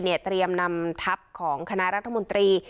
เตรียมนำทัพของคณะรัฐมนตรี